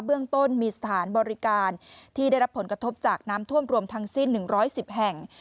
เบื้องต้นมีสถานบริการที่ได้รับผลกระทบจากน้ำท่วมรวมทั้งสิ้น๑๑๐แห่ง